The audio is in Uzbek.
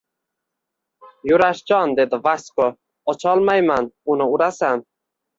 Yurashjon, – dedi Vasko, – ocholmayman, meni urasan.